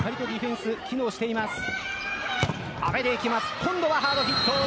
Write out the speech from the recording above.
今度はハードヒット。